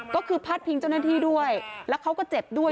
ก็คือพาดพิงเจ้าหน้าที่ด้วยแล้วเขาก็เจ็บด้วย